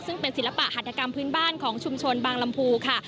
ซึ่งเป็นศิลปะหัตถกรรมพื้นบ้านของชุมชนบางลำพูค่ะ